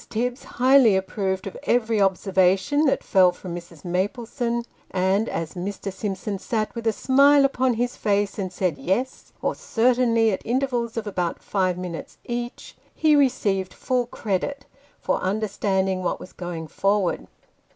Tibbs highly approved of every observation that fell from Mrs. Maplesone ; and as Mr. Simpson sat with a smile upon his face and said " Yes," or " Certainly," at intervals of about four minutes each, he received full credit for understanding what was going forward.